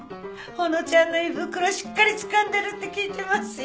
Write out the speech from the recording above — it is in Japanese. ほのちゃんの胃袋しっかりつかんでるって聞いてますよ。